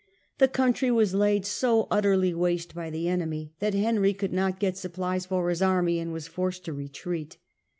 The country was laid so utterly waste by the enemy that Henry could not get supplies for his army, and was forced to retreat.